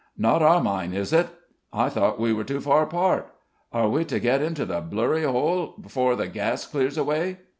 "Not our mine, is it?" "I thought we were too far apart." "Are we to get into the blurry 'ole 'fore the gas clears away?"